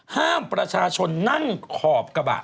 ห้ามประชาชนนั่งขอบกระบะ